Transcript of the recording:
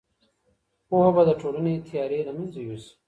پوهه به د ټولني تیارې له منځه یوسي.